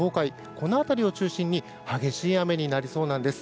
この辺りを中心に激しい雨になりそうなんです。